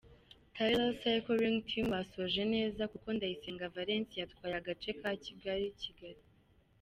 Tirol Cycling Team basoje neza kuko Ndayisenga Valens yatwaye agace ka Kigali-Kigali.